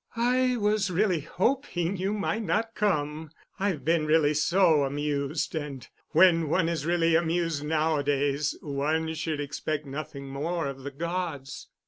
"I was really hoping you might not come. I've been really so amused—and when one is really amused nowadays one should expect nothing more of the gods."